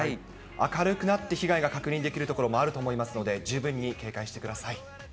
明るくなって被害が確認できる所もあると思いますので、十分に警戒してください。